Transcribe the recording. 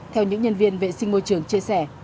theo những nhân viên vệ sinh môi trường chia sẻ